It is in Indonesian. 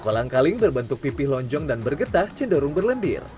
kolang kaling berbentuk pipih lonjong dan bergetah cenderung berlendir